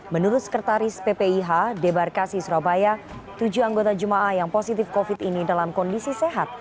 menurut sekretaris ppih ebar kasi surabaya tujuh anggota jemaah yang positif covid sembilan belas ini dalam kondisi sehat